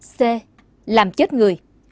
c làm chết người